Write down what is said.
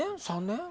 ３年？